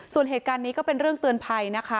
ส่วนเหตุการณ์นี้ก็เป็นเรื่องเตือนภัยนะคะ